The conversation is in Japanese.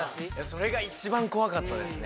それが一番怖かったですね